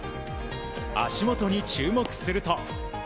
足元に注目すると。